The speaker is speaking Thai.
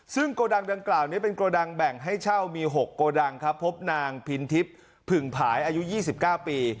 ซึ่งโกดังดังกล่าวนี้เป็นโกดังแบ่งให้เช่ามี๖โกดังครับพบนางพินทิพย์ผึ่งผายอายุ๒๙ปี